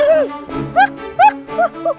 tidak biar dia kaget